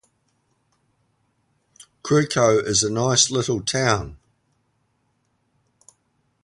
Querco is a nice little town.